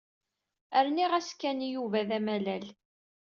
Rniɣ-as Ken i Yuba d amalal.